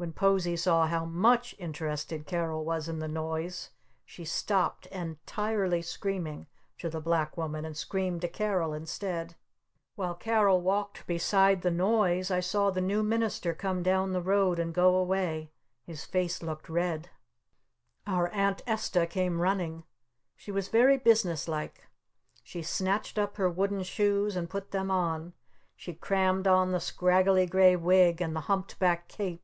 When Posie saw how much interested Carol was in the noise, she stopped en tirely screaming to the Black Woman and screamed to Carol instead. While Carol walked beside the Noise, I saw the New Minister come down the Road and go away. His face looked red. Our Aunt Esta came running. She was very business like. She snatched up her wooden shoes and put them on! She crammed on the scraggly gray wig and the humped back cape!